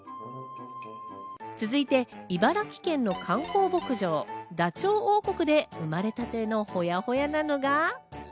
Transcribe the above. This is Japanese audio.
続いて茨城県の観光牧場、ダチョウ王国で生まれたてホヤホヤなのが。